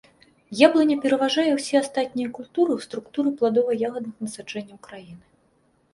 Яблыня пераважае ўсе астатнія культуры ў структуры пладова-ягадных насаджэнняў краіны.